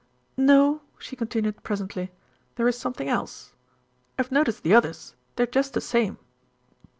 "No," she continued presently, "there is something else. I've noticed the others; they're just the same."